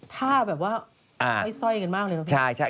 ถ้าแบบว่าสร้อยกันมากเลยนะพี่